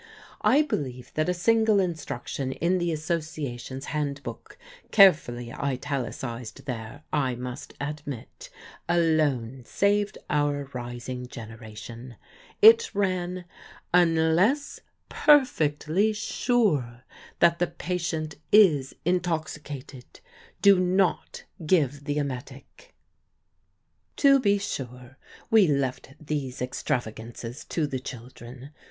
I believe that a single instruction in the Association's Handbook carefully italicised there, I must admit alone saved our rising generation. It ran: "Unless perfectly sure that the patient is intoxicated, do not give the emetic." To be sure, we left these extravagances to the children.